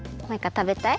たべたい！